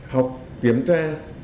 học kiểm tra